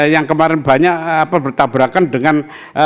yang kemarin banyak bertabrakan dengan